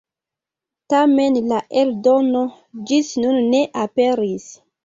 Tamen la eldono ĝis nun ne aperis.